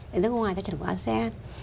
đánh giá ngoài theo chuẩn của asean